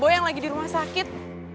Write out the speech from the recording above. tidak ada yang lagi di rumah sakit